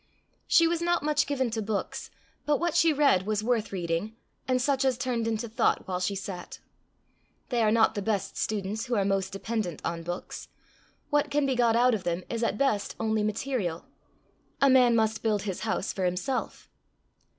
She was not much given to books, but what she read was worth reading, and such as turned into thought while she sat. They are not the best students who are most dependent on books. What can be got out of them is at best only material: a man must build his house for himself.